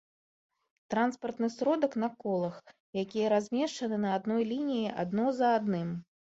транспартны сродак на колах, якія размешчаны на адной лініі адно за адным